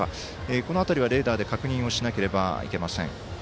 この辺りはレーダーで確認をしなければいけません。